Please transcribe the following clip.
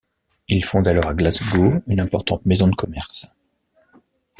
Il fonde alors à Glasgow une importante maison de commerce.